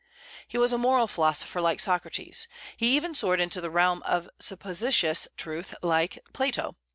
He was a moral philosopher, like Socrates. He even soared into the realm of supposititious truth, like Plato.